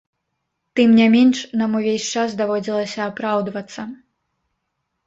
Тым не менш, нам увесь час даводзілася апраўдвацца.